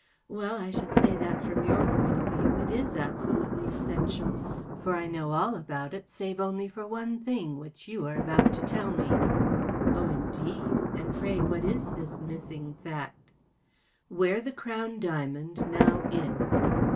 Well, I should say that, from your point of view, it is absolutely essential, for I know all about it, save only one thing, which you are about to tell me.‚ÄĚ 44 Oh, indeed ! And, pray, what is this missing fact ? ‚ÄĚ 4 ' Where the Crown diamond now is.